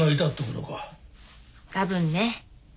多分ね。